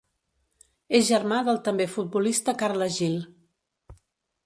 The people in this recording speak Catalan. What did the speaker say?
És germà del també futbolista Carles Gil.